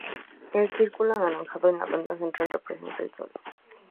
El círculo anaranjado en la banda central representa el sol.